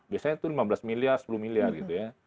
biasanya itu lima belas miliar sepuluh miliar gitu ya